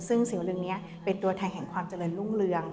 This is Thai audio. ซึ่งสิวเรืองนี้เป็นตัวแทนแห่งความเจริญรุ่งเรือง